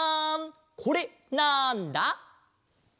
これなんだ？